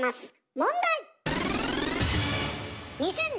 問題！